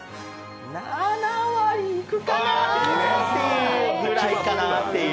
７割いくかなぁっていうくらいかなっていう。